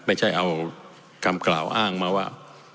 ไม่ใช่เอาคำกล่าวอ้างมาว่า